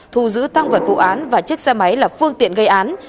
thù giữ tăng vật vụ án và chiếc xe máy là phương tiện gây án